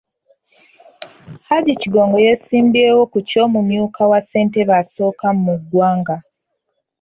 Hajji Kigongo yeesimbyewo ku ky’omumyuka wa Ssentebe asooka mu ggwanga.